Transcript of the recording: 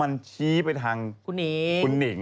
มันชี้ไปทางคุณหนิงครูหนิง